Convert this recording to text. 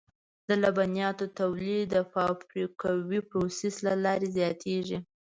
د لبنیاتو تولید د فابریکوي پروسس له لارې زیاتېږي.